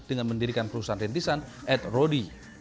dengan mendirikan perusahaan rintisan adrodi